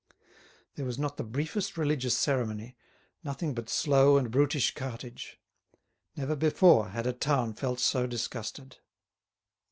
There was not the briefest religious ceremony, nothing but slow and brutish cartage. Never before had a town felt so disgusted.